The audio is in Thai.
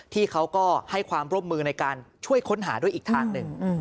เขาก็ให้ความร่วมมือในการช่วยค้นหาด้วยอีกทางหนึ่ง